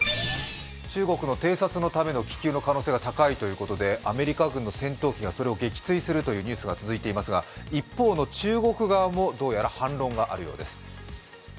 中国の偵察のための気球の可能性が高いということで、アメリカ軍の戦闘機がそれを撃墜するというニュースが続いていますが一方の中国側もどうやら反論があるようです。